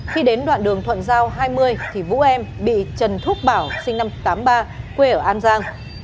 khi đến đoạn đường thuận giao hai mươi thì vũ em bị trần thúc bảo sinh năm một nghìn chín trăm tám mươi ba quê ở an giang